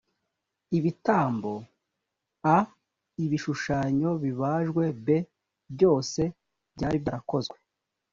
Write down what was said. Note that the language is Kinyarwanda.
ibitambo a ibishushanyo bibajwe b byose byari byarakozwe